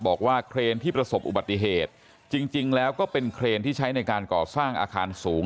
เครนที่ประสบอุบัติเหตุจริงแล้วก็เป็นเครนที่ใช้ในการก่อสร้างอาคารสูง